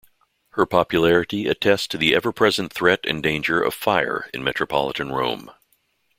Her popularity attests to the everpresent threat and danger of fire in metropolitan Rome.